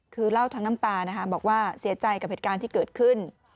คือเล่าทั้งน้ำตานะคะบอกว่าเสียใจกับเหตุการณ์ที่เกิดขึ้น